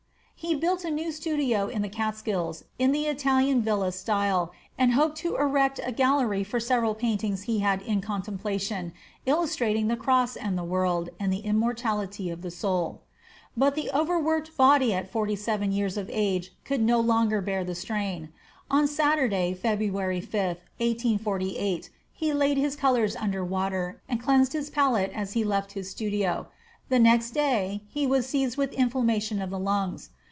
He built a new studio in the Catskills, in the Italian villa style, and hoped to erect a gallery for several paintings he had in contemplation, illustrating the cross and the world, and the immortality of the soul. But the overworked body at forty seven years of age could no longer bear the strain. On Saturday, Feb. 5, 1848, he laid his colors under water, and cleansed his palette as he left his studio. The next day he was seized with inflammation of the lungs.